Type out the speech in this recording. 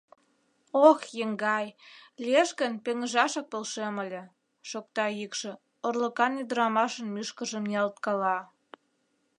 «Ох, еҥгай, лиеш гын, пеҥыжашак полшем ыле», — шокта йӱкшӧ, орлыкан ӱдырамашын мӱшкыржым ниялткала.